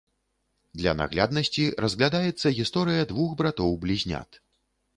Для нагляднасці разглядаецца гісторыя двух братоў-блізнят.